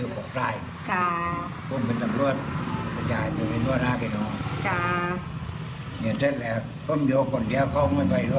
กลัวคุณตาไม่มีข้าวกิน